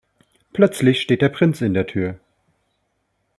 Plötzlich steht der Prinz in der Tür.